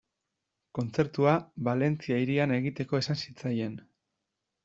Kontzertua Valentzia hirian egiteko esan zitzaien.